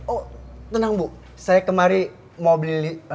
oh tenang bu saya kemari mau beli